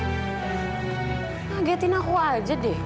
kagetin aku aja deh